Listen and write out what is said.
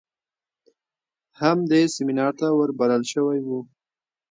هم دې سمينار ته ور بلل شوى و.